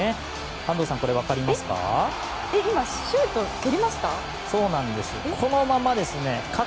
安藤さん、分かりますか？